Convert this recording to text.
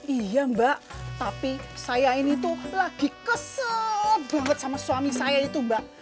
iya mbak tapi saya ini tuh lagi kesel banget sama suami saya itu mbak